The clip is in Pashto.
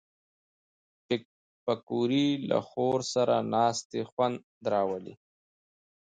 پکورې له خور سره ناستې خوند راولي